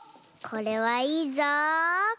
これはいいぞ。